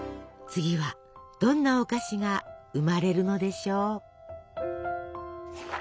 次はどんなお菓子が生まれるのでしょう。